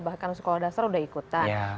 bahkan sekolah dasar udah ikutan